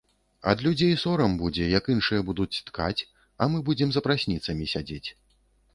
Ад людзей сорам будзе, як іншыя будуць ткаць, а мы будзем за прасніцамі сядзець.